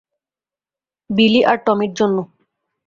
বিলি আর টমির জন্য।